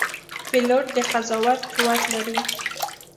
پیلوټ د قضاوت قوت لري.